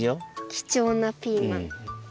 きちょうなピーマン。